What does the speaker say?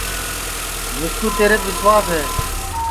مِسکُو تیریپ وسواس ہے